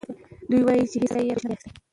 دی وایي چې هیڅکله یې رشوت نه دی اخیستی.